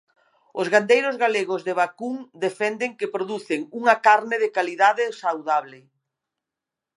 Os gandeiros galegos de vacún defenden que producen unha carne de calidade e saudable.